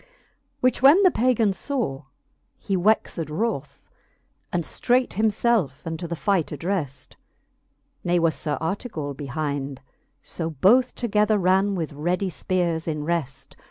Which when the Pagan faw, he wexed wroth, And ftreight him felfe unto the fight addreft j Ne was Sir Artegall behinde : fo both Together ran with ready fpeares in reft.